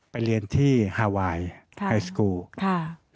ไปเรียนที่ฮาไวไฮสกูล